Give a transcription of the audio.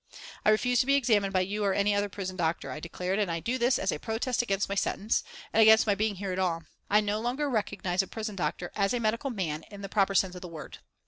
"I refuse to be examined by you or any prison doctor," I declared, "and I do this as a protest against my sentence, and against my being here at all. I no longer recognise a prison doctor as a medical man in the proper sense of the word.